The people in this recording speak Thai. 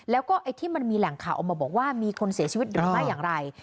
แล้วก็ไอ้ที่มันมีแหล่งข่าวออกมาบอกว่ามีคนเสียชีวิตหรือไม่อย่างไร